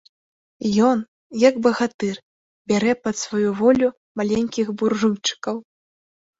Ён, як багатыр, бярэ пад сваю волю маленькіх буржуйчыкаў.